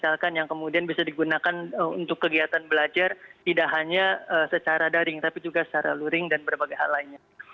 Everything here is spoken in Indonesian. misalkan yang kemudian bisa digunakan untuk kegiatan belajar tidak hanya secara daring tapi juga secara luring dan berbagai hal lainnya